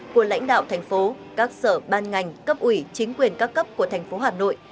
của lãnh đạo thành phố các sở ban ngành cấp ủy chính quyền các cấp của thành phố hà nội